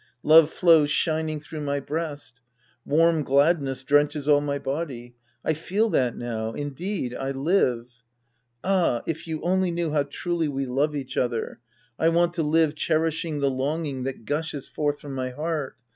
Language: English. Love flows shining through my breast. Warm gladness drenches all my body. I feel that now, indeed, I live. Ah, if you only knew how truly we love each other ! I want to live cherishing the longing that gushes forth from my heart.